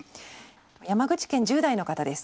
山口県１０代の方です。